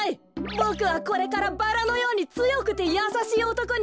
ボクはこれからバラのようにつよくてやさしいおとこになる。